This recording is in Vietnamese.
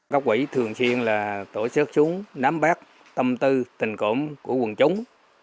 các quỹ thường xuyên là tổ chức chúng nắm bắt tâm tư tình cổng của quân chúng